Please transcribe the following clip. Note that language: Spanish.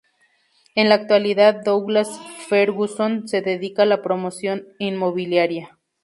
En la actualidad Douglas Ferguson se dedica a la promoción inmobiliaria.